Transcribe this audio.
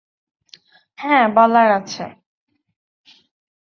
হ্যাঁ, বলার আছে।